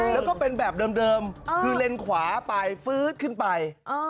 แล้วก็เป็นแบบเดิมคือเลนขวาไปฟื๊ดขึ้นไป